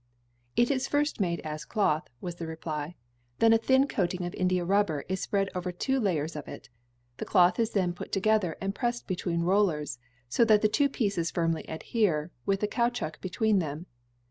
"It is first made as cloth," was the reply; "then a thin coating of India rubber is spread over two layers of it. The cloth is then put together and pressed between rollers, so that the two pieces firmly adhere, with the caoutchoue between them.